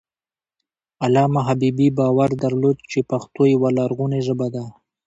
علامه حبيبي باور درلود چې پښتو یوه لرغونې ژبه ده.